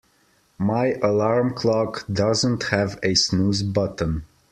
My alarm clock doesn't have a snooze button.